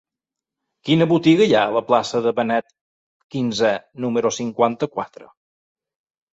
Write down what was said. Quina botiga hi ha a la plaça de Benet XV número cinquanta-quatre?